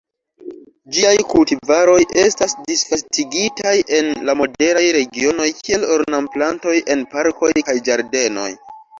Ĝiaj kultivaroj estas disvastigitaj en la moderaj regionoj kiel ornamplantoj en parkoj kaj ĝardenoj.